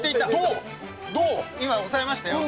今押さえましたよ。